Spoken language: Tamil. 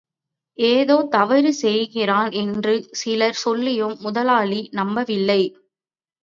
ஏதோ தவறு செய்கிறான் என்று சிலர் சொல்லியும் முதலாளி நம்பவில்லை.